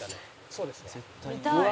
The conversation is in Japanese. そうですね。